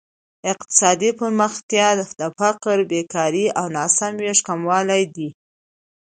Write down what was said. اقتصادي پرمختیا د فقر، بېکارۍ او ناسم ویش کمول دي.